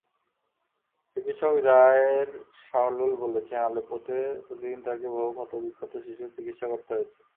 চিকিৎসক Zaher Shahloul বলেছেন, আলেপ্পোতে প্রতিদিন তাঁকে বহু ক্ষতবিক্ষত শিশুর চিকিৎসা করতে হয়েছে।